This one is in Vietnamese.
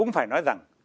phải nói rằng